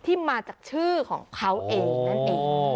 ที่มาจากชื่อของเขาเอง